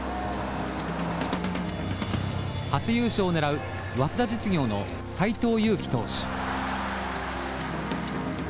初優勝を狙う早稲田実業の斎藤佑樹投手。